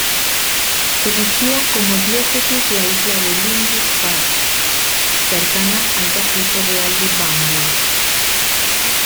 Eligió como diócesis la isla de Lindisfarne, cercana al castillo real en Bamburgh.